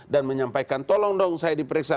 dan menyampaikan tolong dong saya diperiksa